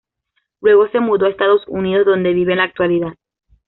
Luego se mudó a Estados Unidos, donde vive en la actualidad.